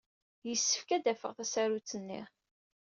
Yessefk ad d-afeɣ tasarut-nni.